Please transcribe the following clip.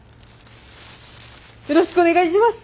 よろしくお願いします！